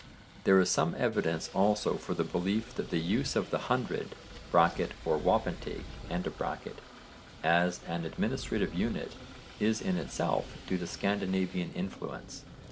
There is some evidence also for the belief that the use of the hundred (or wapentake) as an administrative unit is in itself due to Scandinavian influence.